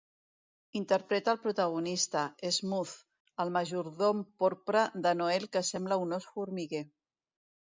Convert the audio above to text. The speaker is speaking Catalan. Interpreta el protagonista, Smooth, el majordom porpra de Noel que sembla un ós formiguer.